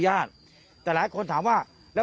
มาในวันนี้นะครับ